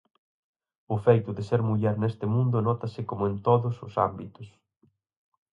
O feito de ser muller neste mundo nótase como en todos os ámbitos.